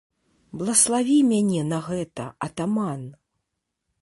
Блаславі мяне на гэта, атаман!